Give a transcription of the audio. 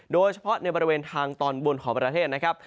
โดยเฉพาะในบริเวณทางตอนบนของประเทศนะครับ